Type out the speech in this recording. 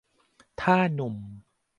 ถ้าหนุ่ม